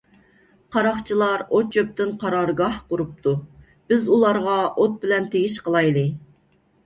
قاراقچىلار ئوت - چۆپتىن قارارگاھ قۇرۇپتۇ، بىز ئۇلارغا ئوت بىلەن تېگىش قىلايلى.